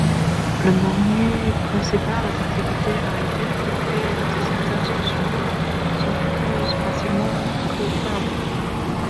Le menu principal d'activité a été refait et certaines options sont plus facilement trouvable.